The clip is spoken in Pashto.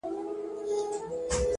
نیک چلند د دوستۍ بنسټ جوړوي!